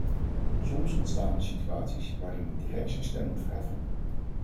Soms ontstaan er situaties waarin men direct zijn stem moet verheffen.